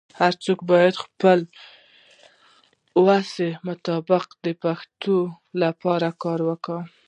هرڅوک باید د خپل وس مطابق د پښتو لپاره کار وکړي.